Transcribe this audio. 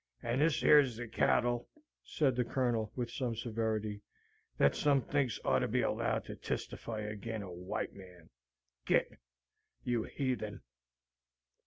"And this yer's the cattle," said the Colonel, with some severity, "that some thinks oughter be allowed to testify ag'in' a White Man! Git you heathen!"